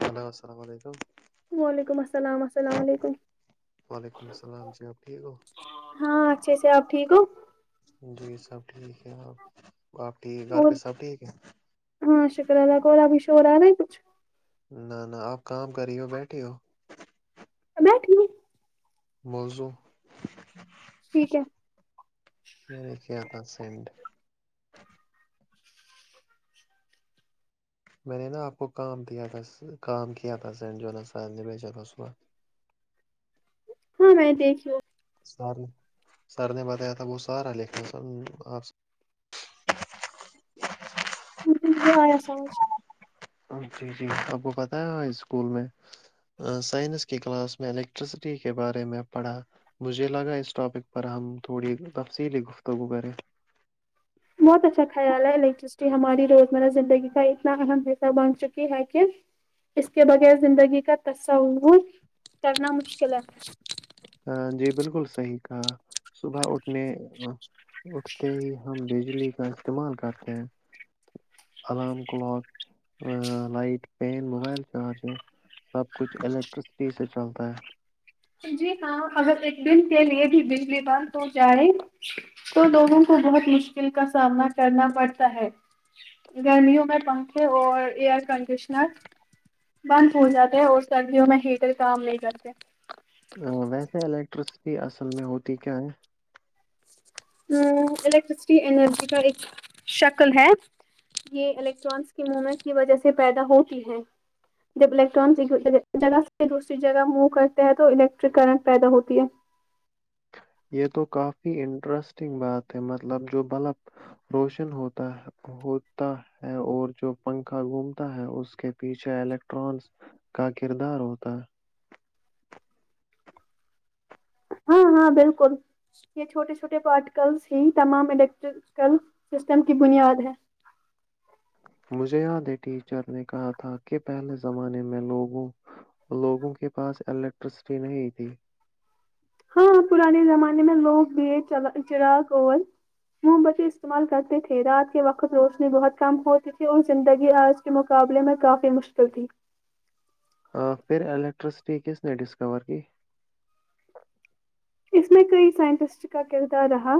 hello السلام علیکم وعلیکم السلام السلام علیکم وعلیکم السلام جی اپ ٹھیک ہو ہاں اچھے سے آپ ٹھیک ہو جی سب ٹھیک ہے آپ آپ ٹھیک گھر اور پہ سب ٹھیک ہے ہاں شکراادا گلہ بھیش اورور آا ہی کچھ نہ نہ آپ کام کر رہی ہو بیٹے ہو بیٹے موزو ٹھیک ہے میں نے کیا تھا سینڈ میں نے نا آپ کو کام د تھا کام کیا تھا ہاں میں دیکھی لوں سر نے سر نے بتایا تھا وہ سارا لکھا سر آپ سے مجھے آیا سمج جی جی آپ کو پتا ہے اسکول میں سائنس کی کلاس میں الیکٹرسٹی کے بارے میں پڑھا مجھے لگا اس ٹاپک پر ہم تھوڑی تفصیلی گفتگو کریں بہت اچھایاا ہے ل ہماری روزمرہ زندگی کا اتنا اہم حصہ بن چکی ہے کہ اس کے بغیر زندگی کا تصور کرنا مشکل ہے ہ جی بالکل صحیح کہا صبح اٹھنے اٹھتے ہی ہم بجلی کا استعمال کرتے ہیں alarm clock light pen mobile charger سب کچھ الیکٹرسٹی سے چلتا ہے جی ہاں اگر ایک دن کے لیے بھی بجلی بند ہو جائے تو لوگوں کو بہت مشکل کا سامنا کرنا پڑتا ہے گرمیوں میں پنکھے اور ایئر کنڈیشنر بند ہو جاتے ہے اور سردیوں میں ہیٹر کام لے جاتے ویسے الیکٹرسٹی اصل میں ہوتی کیا ہے ا الیکٹرسٹی اینرجی کا ایک شکل ہے یہ الیکٹرانس کی مومنٹس کی وجہ سے پیدا ہوتی ہے جب الیکٹرانس جگہ سے دوسری جگہ موو کرتے ہیں تو الیکٹرک کرنٹ پیدا ہوتی ہے یہ تو کافی انٹرسٹنگ بات ہے مطلب جو بلب روشن ہوتا ہوتا ہے اور جو پنکھا گھومتا ہے اس کے پیچھے الیکٹ ٹرانس کا کردار ہوتا ہے ہاں ہاں بالکل یہ چھوٹے چھوٹے پارٹیکلس ہی تمام الیکٹریکل سسٹم کی بنیاد ہے مجھے یاد ہے ٹیچر نے کہا تھا کہ پہلے زمانے میں لوگوں لوگوں کے پاس الیکٹرسٹی نہیں تھی ہاں پرانے زمانے میں لوگ بھی ہے چراغول موم بچے استعمال کرتے تھے رات کے وقت روشنی بہت کم ہوتی تھی اور زندگی آج کے مقابلے میں کافی مشکل تھی پھر الیکٹرسٹی کس نے ڈسکور کی اس میں کئی سائنٹسٹ کا کردار رہا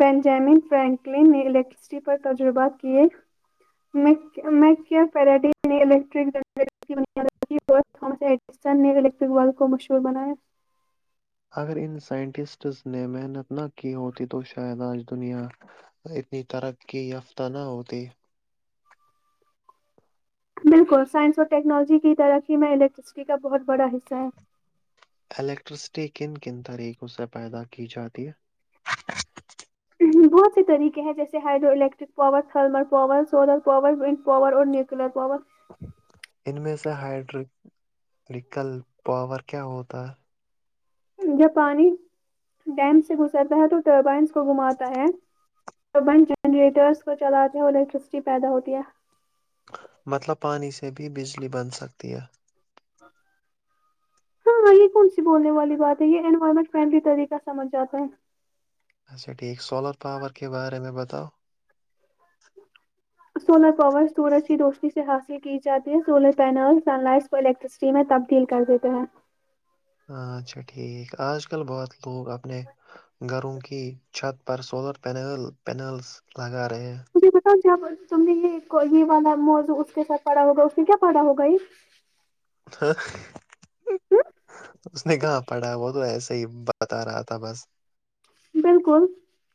بینجامن فرینکلن نے الیکٹرسٹی پر تجربات کیے [inaudible] میں میں کیا الیکٹرک جنری [unintelligible] ہو تھس ایڈسن نے الیکٹرک و کو مشہور بنایا اگر ان سائنٹسٹس نے محنت نہ کی ہوتی تو شاید آج دنیا اتنی ترقی یافتہ نہ ہوتی بالکل سائنس اور ٹیکنالوجی کی ترقی میں الیکٹرسٹی کا بہت بڑا حصہ ہے الیکٹرسٹی کن کن طریقوں سے پیدا کی جاتی ہے بہت سے طریقے ہیں جیسے hydro electric power thermal power solar power wind power اور نیوکلر پاور ان میں سے ہائڈریکل پاور کیا ہوتا جب پانی ڈیم سے گھسرتا ہے تو ٹربائنس کو گھماتا ہے تو بن جنریٹرس کو چلاتے ہو الیکٹرسٹی پیدا ہوتی ہے مطلب پانی سے بھی بجلی بن سکتی ہے [unintelligible] ہاں ہاں یہ کون سی بولنے والی بات ہے یہ انوائرمنٹ فرینڈلی طریقہ سمجھ جاتے ہیں اچھا ٹھیک سولر پاور کے بارے میں بتاؤ [inaudible] سولر پاور سورج کی روشنی سے حاصل کی جاتی ہے solar panel sun lights electricity میں تبدیل کر دیتے ہیں اچھا ٹھیک آج کل بہت لوگ اپنے گھروں کی چھت پر سولر پینل پینلس لگا رہےا تھے بتاؤ جب تم نے یہ یہ والا موضوع اس کے ساتھ پڑھا ہوگا اس نے کیا پڑھا ہوگا یہ ا [unintelligible] اس نے کہاں پڑھا وہ تو ایسا ہی بتا رہا تھا بس بالکل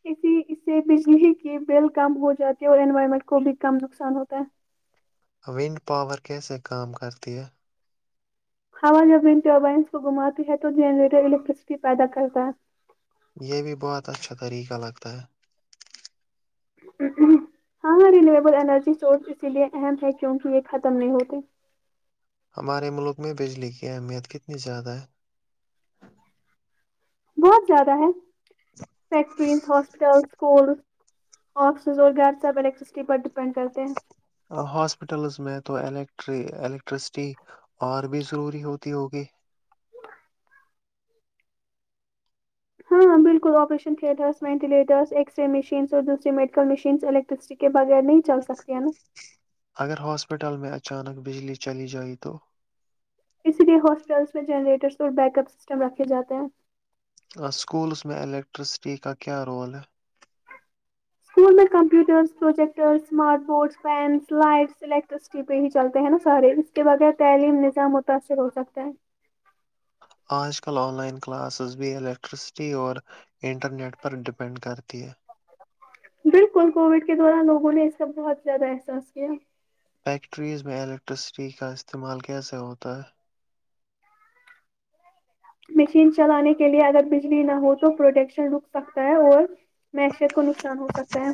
اسی اس سے بجلی کی بل کم ہو جاتی ہے اور انوائرمنٹ کو بھی کم نقصان ہوتا ہے ونڈ پاور کیسے کام کرتی ہے ہوا جب بتی بس کو گھماتی ہے تو جنریٹر الیکٹرسٹی پیدا کرتا ہے یہیمی باتاتھ طریقہ لگتا ہے ہاں رینیویبل انرجی سورس اسی لیے اہم ہے کیونک یہ ختم نہیں ہوتے ہمارے ملک میں بجلی کی اہمیت کتنی زیادہ ہے بہت زیادہ ہے فیکٹریز ہاسپٹل اسکولز آفسز اور گھر سب الیکٹریسٹی پر ڈیپینڈ کرتے ہیں ہاسپٹلس میں تو الٹ الیکٹرسٹی اور بھی ضروری ہوتی ہوگی ہاں ہ بالکل آپریشن تھیٹرس وینٹیلیٹرس ایکسر ر مشینس اور دوسری میڈیکل مشینس الیکٹر کے بغیر نہیں چل سکتی ہیں نا اگر ہاسپٹل میں اچانک بجلی چلی جائے تو اسی لیے ہاسپٹلس میں جنریٹرس اور بیک اپ سسٹم رکھے جاتے ہیں سکولس میں الیکٹرسٹی کا کیا رول ہے اسکول میں computers projector smart board fans light سٹر پہ ہی چلتے ہیں نا سارے اس کے بغیر تعلیم نظام متاثر ہو سکتا ہے آج کل آن لائن کلاسز بھی الیکٹرسٹی اور انٹرنیٹ پر ڈیپینڈ کرتی ہے بالکل کووڈ کے دوران لوگوں نے اس کا بہت زیادہ احساس کیا فیکٹریز میں الیکٹرسٹی کا استعمال کیسے ہوتا ہے مشین چلانے کے لیے اگر بجلی نہ ہو تو پروڈکشن رک سکتا ہے اور معیشیت کو نقصان ہو سکتا ہے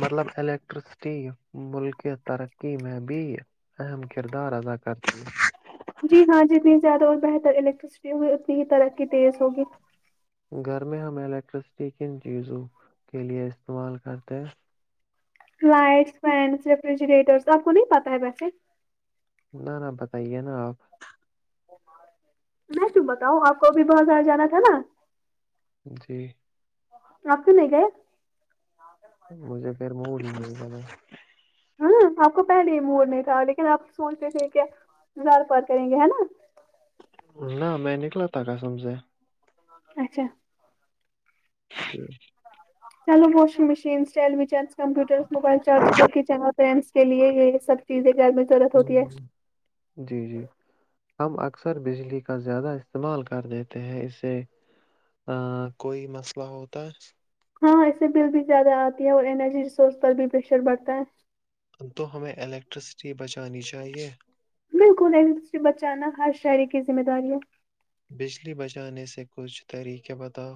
مطلب الیکٹرسٹی ملک ترقی میں بھی اہم کردار ادا کرتی ہیں جی ہاں جتنی زیادہ اور بہتر الیکٹریسٹی ہوگی اتنی ہی ترقی تیز ہوگی گھر میں ہم الیکٹرسٹی کن چیزوں کے لیے استعمال کرتے ہیں لائٹس فینس ریفریجریٹر سب کو نہیں پتا ہے ویسے نہ نہ بتائیے نا آپ میں تووں بتاؤوں آپ کو ابھی بہت زیاارہ جانا تھا نا جی [unintelligible] رکھ نہیں کیا مجھے پھر موڑ م [unintelligible] ہ آپ کو پہلے ہی موور نہیں تھا لیکن آپ سوچتے تھے کیازار پار کریں گے ہے نا نہ میں نکلا تھا کہ سمج سےے اچھا جی چلو washing machines televisions computers mobile chargers اور کچن پینس کے لیے یہ سب جی کے کر [unintelligible] [inaudible] [inaudible] جی جی ہم اکثر بجلی کا زیادہ استعمال کر لیتے ہیں اسے ہ کوئی مسئلہ ہوتا ہے ہاں اس سے بل بھی زیادہ آتی ہے اور انرجی ریسورس پر بھی پریشر بڑھتا ہے تو ہمیں الیکٹرسٹی بچانی چاہیے بالکل نہیں دوری بچانا ہر شاعری کی ذمہ داری ہے بجلی بچانے سے کچھ طریقے بتاؤ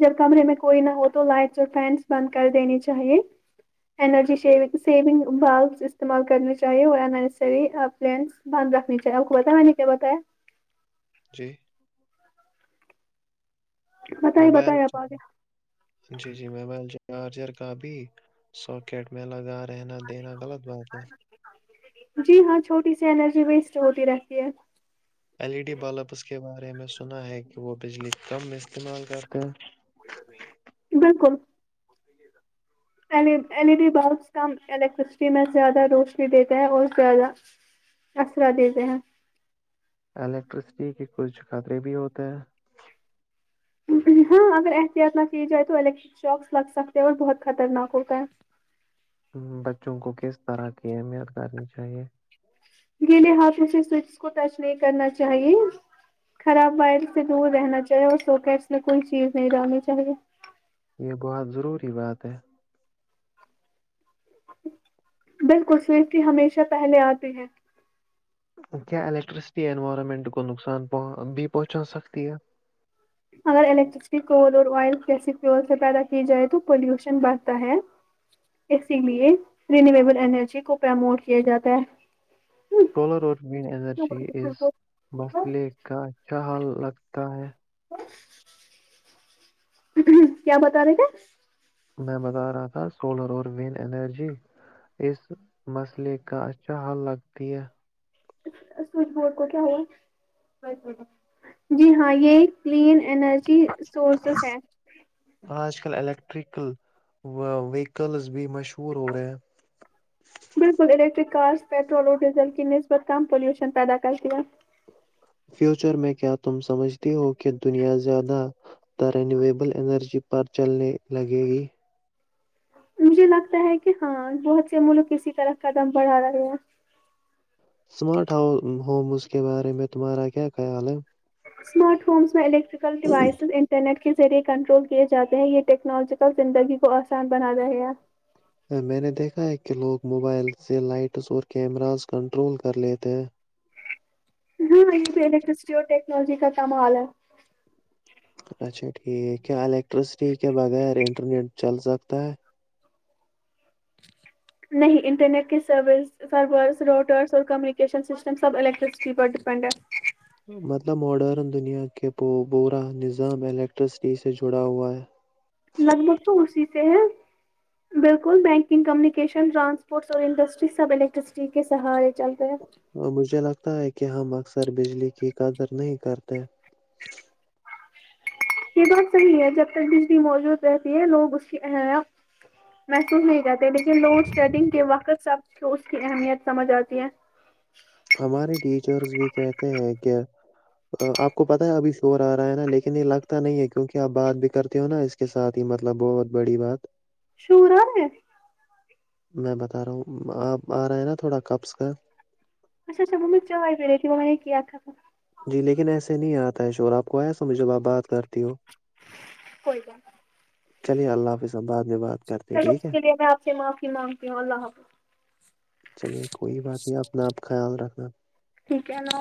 جب کمرے میں کوئی نہ ہو تو لائٹس اور فینس بند کر دینی چاہیے ارجی شیگ سیونگ ب استعمال کرنی چاہیے اور انریلینس بند رکھنی چاہیے آپ کو بتا نہیں کیا بتاائے جی بتائیے موبائل بتائیے آپ چاہ آگے [unintelligible] جی جی موبائل چارجر کا بھی ساکٹ میں لگا رہنا دین غلط بات ہے [inaudible] [inaudible] جی ہاں چھوٹی سی انرجی ویسٹ ہوتی رہتی ہے ایل ای ڈی بلبس کے بارے میں سنا ہے کہ وہ بجلی کم استعمال کرتے ہیں بالکل [inaudible] [inaudible] ایل ای ڈی بلبس کم الیکٹرسٹی میں زیادہ روشنی دیتے ہیں اور زیادہ اسرا دیتے ہیں الیکٹرسٹی کے کچھ خطرے بھی ہوتے ہیں ہاں اگر احتیاط نہ کی جائے تو الیکٹرک شواکس لگ سکتے اور بہت خطرناک ہوتا ہے بچوں کو کس طرح کی اہمیت کرنی چاہیے گی لے ہاتھوں سے سوچس کو ٹچ نہیں کرنا چاہیے خراب وائل سے دور رہنا چاہیے اور سواکٹس میں کوئی چیز نہیں ڈنی چاہیے یہ بہت ضروری بات ہے بالکل سوٹی ہمیشہ پہلے آتے ہیں کیا ایکٹرسٹی اوارمنٹ کو نقصانہ بھی پہنچا سکتی ہے اگر [unintelligible] اور آئل کیسی سے پیدا کی جائے تو پولوشن بڑھتا ہے اسی لیے رینیویبل انرجی کو پرموٹ کیا جاتا ہے ولر اور ایرجی اس مسئلے کا اچھا حال لگتا ہے [inaudible] [inaudible] کیا بتا رہے تھے میں بتا رہا تھا سولر اور وین انرجی اس مسئلے کا اچھا حل لگتی ہے سوچ بڈ کو کیا ہوا جی ہاں یہ کلین ارجی سورسز ہے آج کل الیکٹریکل ویکلز بھی مشہور ہو رہے بالکل الیکٹرک کارس پیٹرول اور ڈیزل کی نسبت کم پالوشن پیدا کرتی ہے فیوچر میں کیا تم سمجھتی ہو کہ دنیا زیادہ ت رینیویبل انرجی پر چلنے لگے گی مجھے لگتا ہے کہ ہاں بہت سے ملک اسی طرح کا دم بڑھا رہے ہیں اسمارٹ ہوم اس کے بارے میں تمہارا کیا خیال ہے اسمارٹ فونس میں الیکٹریکل ڈیوائسز انٹرنیٹ کے ذریعے کنٹرول کیے جاتے ہیں یہ ٹیکنالوجیکل زندگی کو آسان بنا رہے میں نے دیکھا ہے کہ لوگ موبائل سے لائٹس اور کیمراز کنٹرول کر لیتے ہیں ہاں یہ پہ الیکٹرسٹی اور ٹیکنالوجی کامال ہے اچھا ٹھیک کیا الیکٹرسٹی کے بغیر انٹرنیٹ چل سکتا ہے نہیں انٹرنیٹ کی سروس سرورس روٹرس اور کمیونیکیشن سسٹم سب الیکٹرسٹی پر ڈیپینڈ ہے مطلب ماڈرن دنیا کے بورا نظام الیکٹرسٹی سے جڑا ہوا ہے لگ بھگ تو اسی سے ہیں بالکل بینکنگ کمیونکیشن ٹرانسپورٹ اور انڈسٹریز سب الیکٹرسٹی کے سہارے چلتے ہیں اور مجھے لگتا ہے کہ ہم اکثر بجلی کی قدر نہیں کرتے یہ بہت صحیح ہے جب تک بجلی موجود رہتی ہے لوگ اس کی ایا محسوس نہیں کرتے لیکن لوڈ شیڈنگ کے وقت سب کو اس کی اہمیت سمجھ آتی ہے ہمارے ٹیچرس بھی کہتے ہیں کہ آپ کو پتاہ ہے ابھی شور آ رہا ہے نا لیکن یہ لگتا نہیں ہے کیونکہ آپ بات بھی کرتے ہو نا اس کے ساتھ ہی مطلب بہت بڑی بات شورا میں میں بتا رہا ہوں آپ آ رہے ہیں نا تھوڑا کپس کا اچھا اچھا م چ رہی تھی وہ میں نے کیا تھا جی لیکن ایسے نہیں آتا ہے شور آپ کو آیا سو میںجھے آپ بات کرتی ہو کوئی گ نہیں چلے اللہ حافظ بع میں بد چلو اس کے لیے میں آپ سے معافی مانگتی ہوں اللہ حافظ چلیے کوئی بات نہیں اپنا آپ خیال رکھنا ٹھیک ہے نو